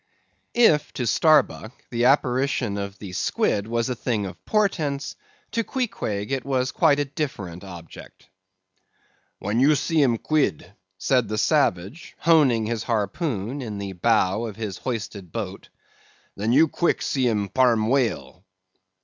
If to Starbuck the apparition of the Squid was a thing of portents, to Queequeg it was quite a different object. "When you see him 'quid," said the savage, honing his harpoon in the bow of his hoisted boat, "then you quick see him 'parm whale."